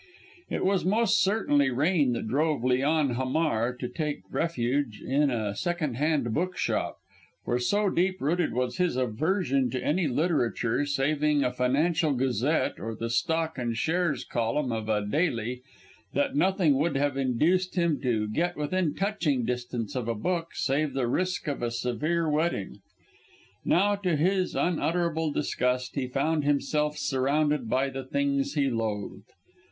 It was most certainly rain that drove Leon Hamar to take refuge in a second hand bookshop; for so deep rooted was his aversion to any literature saving a financial gazette or the stock and shares column of a daily, that nothing would have induced him to get within touching distance of a book save the risk of a severe wetting. Now, to his unutterable disgust, he found himself surrounded by the things he loathed.